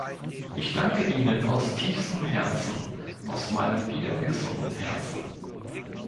Ich danke ihnen aus tiefstem Herzen aus meinem wieder gesunden Herzen.